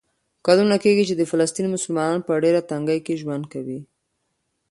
کلونه کېږي چې د فلسطین مسلمانان په ډېره تنګۍ کې ژوند تېروي.